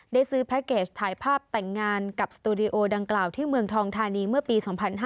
ได้ซื้อแพ็คเกจถ่ายภาพแต่งงานกับสตูดิโอดังกล่าวที่เมืองทองธานีเมื่อปี๒๕๕๙